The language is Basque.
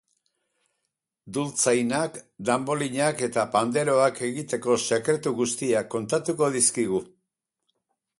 Dultzainak, danbolinak eta panderoak egiteko sekretu guztiak kontatuko dizkigu.